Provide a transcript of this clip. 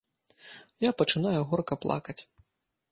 Я пачынаю горка плакаць.